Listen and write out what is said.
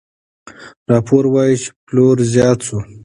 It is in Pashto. راپور وايي چې پلور زیات شو.